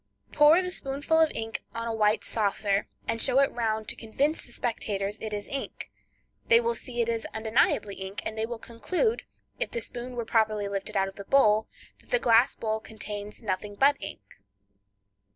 Pour the spoonful of ink on a white saucer, and show it round to convince the spectators it is ink. They will see it is undeniably ink, and they will conclude, if the spoon were properly lifted out of the bowl, that the glass bowl contains nothing but ink.